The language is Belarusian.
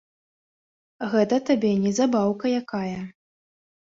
Гэта табе не забаўка якая.